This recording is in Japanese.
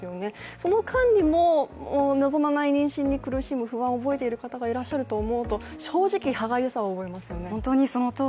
その間にも望まない妊娠に不安を抱えている方がいると思うと正直、歯がゆさを覚えますよね。